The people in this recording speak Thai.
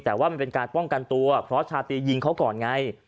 แต่ว่ามันเป็นการป้องกันตัวเพราะชาตรียิงเขาก่อนไง